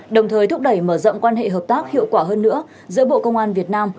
đồng thời thúc đẩy mở rộng quan hệ hợp tác hiệu quả hơn nữa giữa bộ công an việt nam